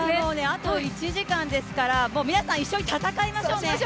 あと１時間ですから皆さん一緒に戦いましょうね。